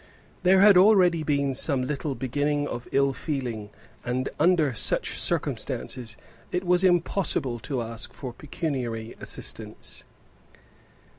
There had already been some little beginning of ill feeling, and under such circumstances it was impossible to ask for pecuniary assistance.